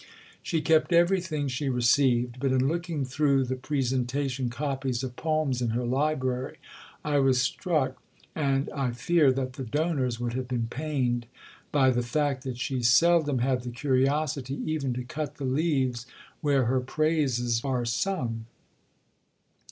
She kept everything she received; but in looking through the presentation copies of poems in her library, I was struck, and I fear that the donors would have been pained, by the fact that she seldom had the curiosity even to cut the leaves where her praises are sung.